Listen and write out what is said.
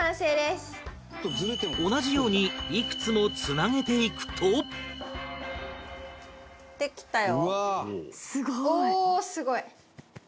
同じようにいくつもつなげていくとできたよ。